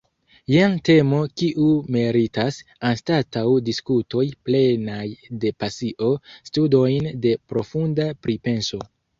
Jen temo kiu meritas, anstataŭ diskutoj plenaj de pasio, studojn de profunda pripenso.